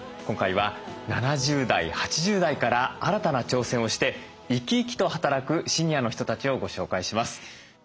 今回は７０代８０代から新たな挑戦をして生き生きと働くシニアの人たちをご紹介します。